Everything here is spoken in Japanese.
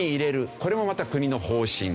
これもまた国の方針。